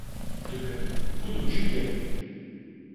De même Bruno Giuliani.